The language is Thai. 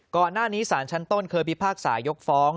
ก่อนหน้านี้สารชั้นต้นเคยพิพากษายกฟ้อง